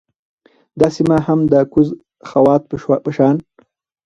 دا سیمه هم د کوز خوات په شان